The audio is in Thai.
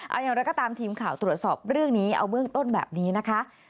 เอาอย่างไรก็ตามทีมข่าวตรวจสอบเรื่องนี้เอาเบื้องต้นแบบนี้นะคะ